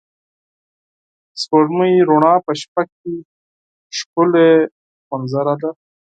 د سپوږمۍ رڼا په شپه کې ښکلی منظره ده.